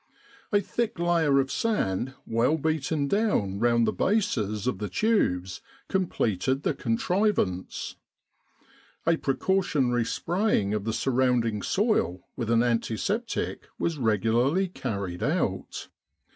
A thick layer of sand well beaten down round the bases of the tubes com pleted the contrivance. A precautionary spraying of the surrounding soil with an antiseptic was regularly carried out.